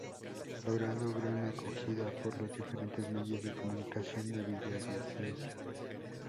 Logrando gran acogida por los diferentes medios de comunicación de Villavicencio.